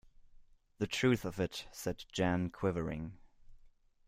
The truth of it set Jeanne quivering.